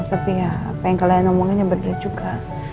tapi ya apa yang kalian omonginnya bener juga